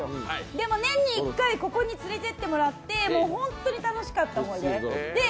でも、年に一回ここに連れていってもらってホントに楽しかった思い出。